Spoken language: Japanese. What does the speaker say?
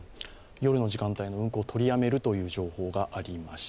夜の時間帯の運行、取りやめるという情報がありました。